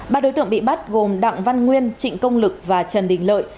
ba đối tượng bị bắt gồm đặng văn nguyên trịnh công lực và trần đình lợi